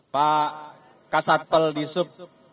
pak kasat pel disup